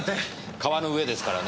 川の上ですからね。